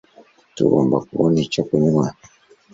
Tugomba kubona icyo kunywa